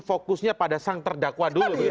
fokusnya pada sang terdakwa dulu